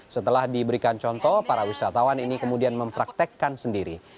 setelah diberikan contoh para wisatawan ini kemudian mempraktekkan sendiri